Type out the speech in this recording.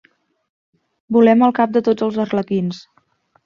Volem el cap de tots els arlequins.